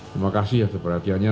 terima kasih ya seperti hatinya